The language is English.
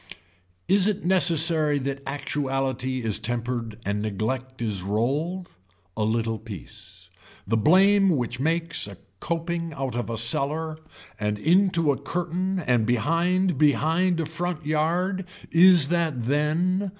Is it necessary that actuality is tempered and neglect is rolled. A little piece. The blame which makes a coping out of a cellar and into a curtain and behind behind a frontyard is that then.